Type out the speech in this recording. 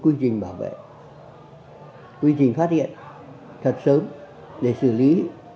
quy trình bảo vệ quy trình phát hiện thật sớm để xử lý